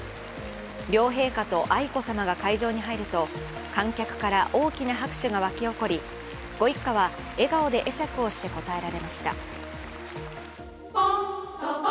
両陛下と愛子さまが会場に入ると観客から大きな拍手が起こりご一家は笑顔で会釈をして応えられました。